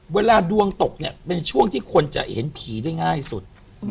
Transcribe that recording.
เวลาดวงตกเนี่ยเป็นช่วงที่คนจะเห็นผีได้ง่ายสุด